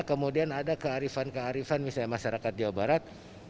kemudian ada kearifan kearifan misalnya masyarakat jawa barat